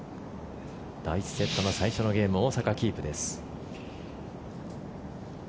第１セットの最初のゲーム大坂、キープです。